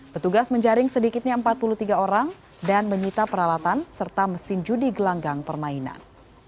petugas menjaring sedikitnya empat puluh tiga orang dan menyita peralatan serta mesin judi gelanggang permainan